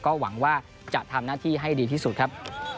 ก็หวังว่าจะทำหน้าที่ให้ดีที่สุดครับ